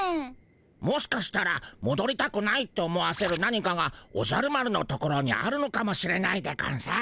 もしかしたらもどりたくないって思わせる何かがおじゃる丸のところにあるのかもしれないでゴンス。